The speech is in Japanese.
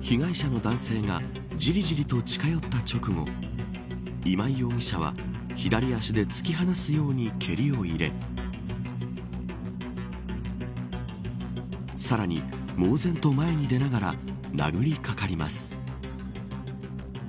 被害者の男性がじりじりと近寄った直後今井容疑者は左足で突き放すように蹴りを入れさらに猛然と前に出ながら殴りかかります。